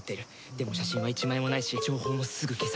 でも写真は一枚もないし情報もすぐ消される。